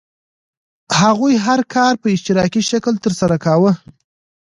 هغوی هر کار په اشتراکي شکل ترسره کاوه.